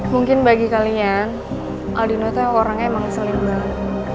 mungkin bagi kalian aldino tuh orangnya emang selimbalan